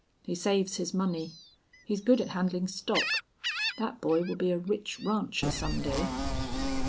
He saves his money. He's good at handlin' stock. Thet boy will be a rich rancher some day."